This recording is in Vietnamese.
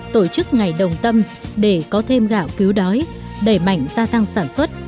tổ chức ngày đồng tâm để có thêm gạo cứu đói đẩy mạnh gia tăng sản xuất